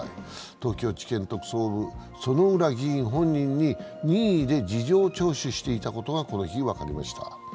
東京地検特捜部、薗浦議員本人に任意で事情聴取していたことがこの日、分かりました。